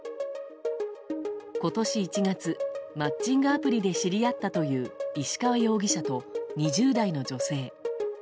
今年１月、マッチングアプリで知り合ったという石川容疑者と２０代の女性。